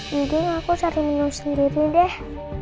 aku cari minum sendiri deh